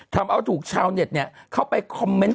ทำเอาถูกชาวเน็ตเข้าไปคอมเมนต์